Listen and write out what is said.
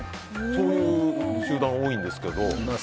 そういう集団が多いんですが。